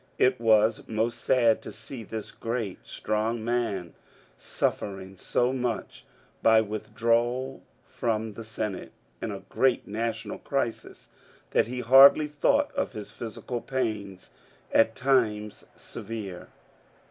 It was most sad to see this great strong man suffering so much by withdrawal from the Senate in a great national crisis that he hardly thought of his physical pains, at times severe.